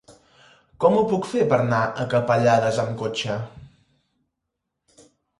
Com ho puc fer per anar a Capellades amb cotxe?